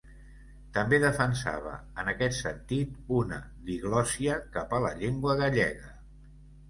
També defensava en aquest sentit una diglòssia cap a la llengua gallega.